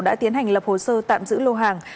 đã tiến hành lập hồ sơ tạm giữ lô hàng